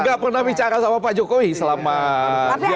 enggak pernah bicara sama pak jokowi selama dia memerintah